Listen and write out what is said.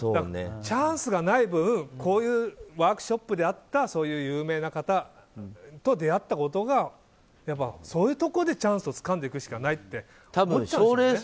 チャンスがない分こういうワークショップで会った有名な方と出会ったことがそういうところでチャンスをつかんでいくしかないって思っちゃうんでしょうね。